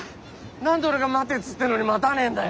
何で俺が待てっつってんのに待たねえんだよ。